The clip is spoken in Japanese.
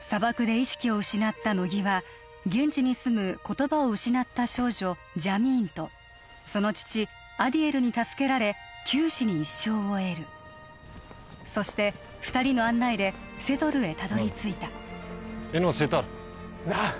砂漠で意識を失った乃木は現地に住む言葉を失った少女ジャミーンとその父アディエルに助けられ九死に一生を得るそして二人の案内でセドルへたどり着いたフフフああ